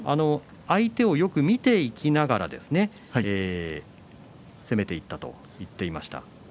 相手をよく見ていきながら攻めていったと言っていました。